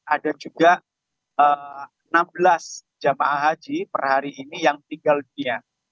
ada juga enam belas jemaah haji per hari ini yang tinggal dia